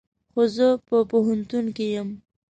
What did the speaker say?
هو، زه په پوهنتون کې یم